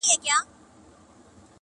• غواړم یوازي در واري سمه جانان یوسفه -